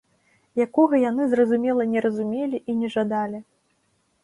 Якога яны, зразумела, не разумелі і не жадалі.